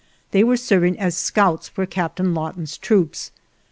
They were serv ing as scouts for Captain Lawton's troops.